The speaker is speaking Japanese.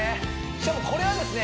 しかもこれはですね